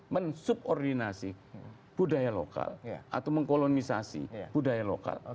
mensubordinasi budaya lokal atau mengkolomisasi budaya lokal